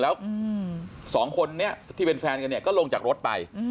แล้ว๒คนที่เป็นแฟนกันก็ลงจากรถไป